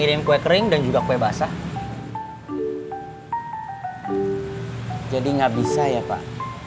jadi gak bisa ya pak